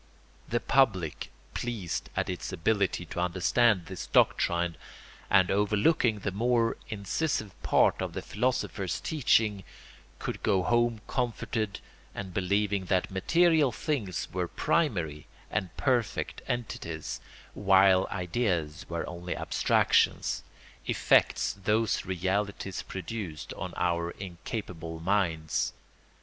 The public, pleased at its ability to understand this doctrine and overlooking the more incisive part of the philosopher's teaching, could go home comforted and believing that material things were primary and perfect entities, while ideas were only abstractions, effects those realities produced on our incapable minds.